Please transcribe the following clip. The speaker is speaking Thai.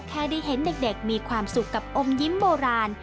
แค่ได้เห็นเด็กมีความสุขกับอมยิ้มโบราณ